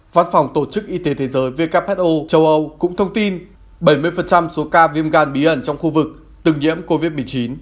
văn phòng tổ chức y tế thế giới who châu âu cũng thông tin bảy mươi số ca viêm gan bí ẩn trong khu vực từng nhiễm covid một mươi chín